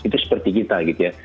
itu seperti kita gitu ya